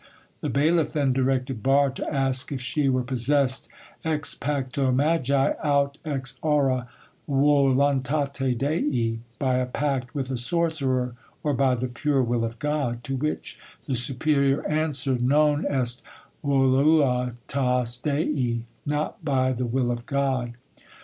The bailiff then directed Barre to ask if she were possessed 'ex pacto magi, aut ex Aura voluntate Dei' (by a pact with a sorcerer or by the pure will of God), to which the superior answered "Non est voluutas Dei" (Not by the will of God).